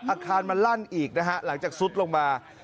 อาคารมันลั่นอีกนะฮะหลังจากซุดลงมา